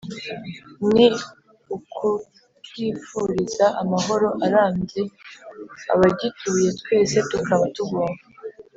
ni ukukifuriza amahoro arambye, abagituye twese tukaba tugomba